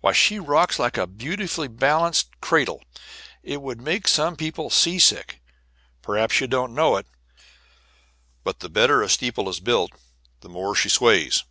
Why, she rocks like a beautifully balanced cradle; it would make some people seasick. Perhaps you don't know it, but the better a steeple is built the more she sways.